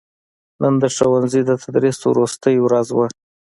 نن دښوونځي دتدریس وروستې ورځ وه